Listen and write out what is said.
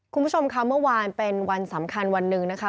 คุณผู้ชมค่ะเมื่อวานเป็นวันสำคัญวันหนึ่งนะคะ